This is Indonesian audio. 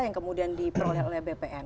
yang kemudian diperoleh oleh bpn